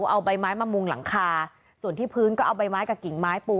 เอาใบไม้มามุงหลังคาส่วนที่พื้นก็เอาใบไม้กับกิ่งไม้ปู